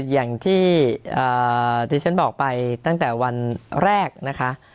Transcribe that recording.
อย่างที่ข้อบอกไปละเราตั้งวันแรกนะคะ